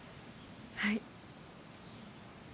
はい。